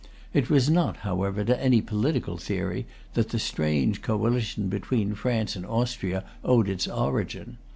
It was not, however, to any political theory that the strange coalition between France and Austria owed its origin.